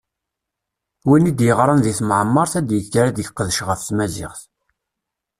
Win i d-yeɣṛan di temɛemmeṛt ad ikker ad iqdec ɣef tmaziɣt.